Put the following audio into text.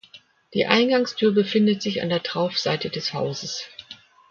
Die Eingangstür befindet sich an der Traufseite des Hauses.